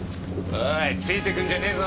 おいついてくんじゃねえぞ。